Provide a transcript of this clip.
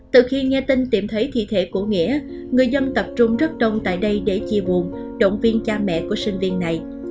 từ khi nghe tin tìm thấy thi thể của nghĩa người dân tập trung rất đông tại đây để chia buồn động viên cha mẹ của sinh viên này